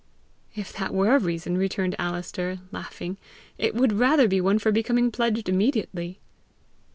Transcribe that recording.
"If that were a reason," returned Alister, laughing, "it would rather be one for becoming pledged immediately."